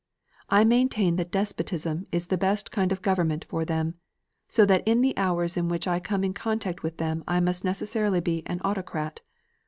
I maintain that despotism is the best kind of government for them; so that in the hours in which I come in contact with them I must necessarily be an autocrat.